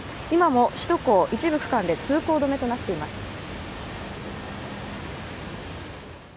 今も首都高一部区間で通行止めとなっています。